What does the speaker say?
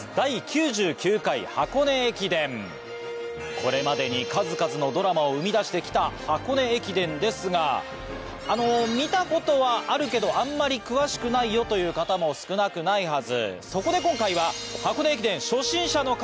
これまでに数々のドラマを生み出して来た箱根駅伝ですがあの見たことはあるけどあんまり詳しくないよという方も少なくないはず